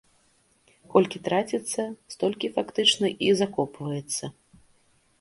Колькі траціцца, столькі, фактычна, і закопваецца.